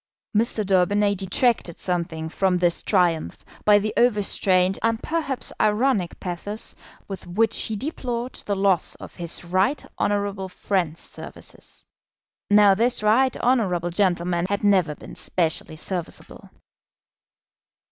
Mr. Daubeny detracted something from this triumph by the overstrained and perhaps ironic pathos with which he deplored the loss of his right honourable friend's services. Now this right honourable gentleman had never been specially serviceable.